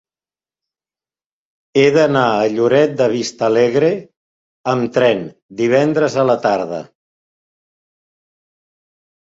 He d'anar a Lloret de Vistalegre amb tren divendres a la tarda.